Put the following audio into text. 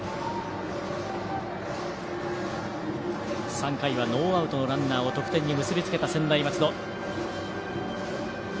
３回はノーアウトのランナーを得点に結びつけた専大松戸。